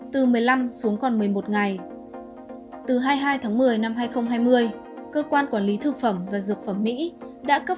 từ một mươi năm xuống còn một mươi một ngày từ hai mươi hai tháng một mươi năm hai nghìn hai mươi cơ quan quản lý thực phẩm và dược phẩm mỹ đã cấp